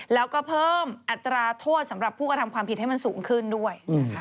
แล้วก็เพิ่มอัตราโทษสำหรับผู้กระทำความผิดให้มันสูงขึ้นด้วยนะคะ